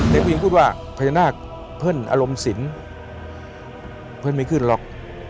เด็กผู้หญิงพูดว่าพญานาคเพิ่นอารมณ์สินเพื่อนไม่ขึ้นหรอก